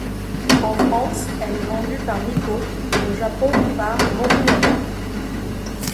En France, elle est vendue par Miko et au Japon par Morinaga.